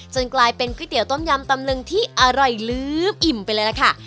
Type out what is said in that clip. กลายเป็นก๋วยเตี๋ยวต้มยำตำนึงที่อร่อยลืมอิ่มไปเลยล่ะค่ะ